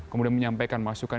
kemudian menyampaikan masukan